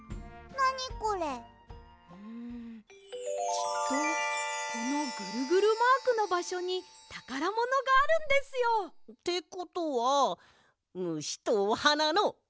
きっとこのぐるぐるマークのばしょにたからものがあるんですよ！ってことは「むし」と「おはな」のあいだにあるぞってことか！